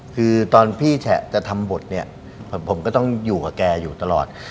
คือตอนพี่แฉะจะทำบทเนี่ยผมก็ต้องอยู่กับแกอยู่ตลอด